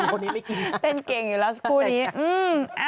เก่งอยู่แล้วซุโตนี้อืม